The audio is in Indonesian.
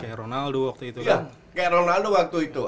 kayak ronaldo waktu itu